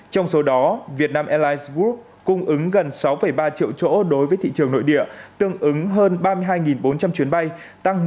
trong số đó vietnam airlines group cung ứng gần sáu ba triệu chỗ đối với thị trường nội địa tương ứng hơn ba mươi hai bốn trăm linh chuyến bay tăng một mươi so với cùng kỳ trước đại dịch covid một mươi chín là năm hai nghìn một mươi chín